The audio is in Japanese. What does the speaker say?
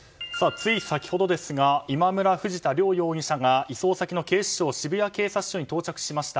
つい先ほど今村、藤田両容疑者が移送先の警視庁渋谷警察署に到着しました。